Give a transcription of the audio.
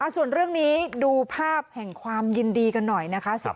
ส่วนเรื่องนี้ดูภาพแห่งความยินดีกันหน่อยนะคะ